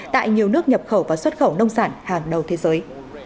tại nhiều nước nhập khẩu và xuất khẩu nông sản hàng đầu thế giới